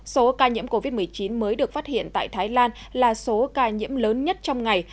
số ca nhiễm covid một mươi chín mới được phát hiện tại thái lan là số ca nhiễm lớn nhất trong ngày